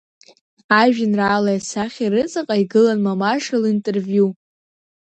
Ажәеинраалеи асахьеи рыҵаҟа игылан мамаша линтервиу.